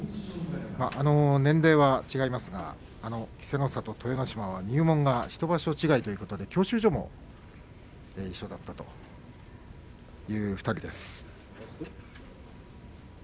年齢は違いますが稀勢の里と豊ノ島は入門が１場所違いということで教習所も一緒だったという２人です。